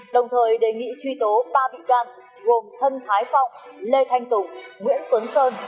đồng thời đề nghị truy tố ba bị can gồm thân thái phong lê thanh tùng nguyễn tuấn sơn